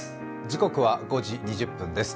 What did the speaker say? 時刻は５時２０分です。